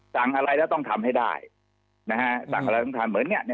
สั่งอะไรแล้วต้องทำให้ได้นะฮะสั่งอะไรต้องทำเหมือนเนี่ย